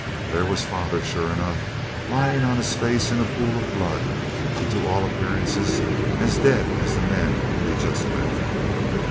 There was father, sure enough, lying on his face in a pool of blood, and to all appearances as dead as the men we'd just left.